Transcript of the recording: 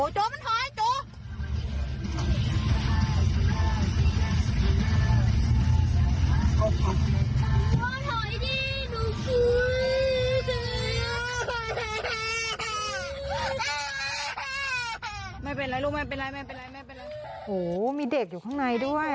มีเด็กอยู่ข้างในด้วย